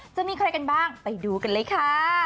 จะมีใครกันบ้างไปดูกันเลยค่ะ